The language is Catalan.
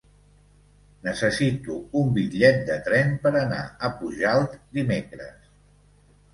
Necessito un bitllet de tren per anar a Pujalt dimecres.